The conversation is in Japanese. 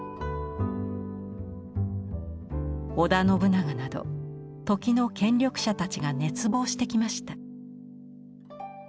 織田信長など時の権力者たちが熱望してきました。